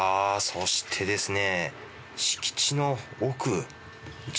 そしてですね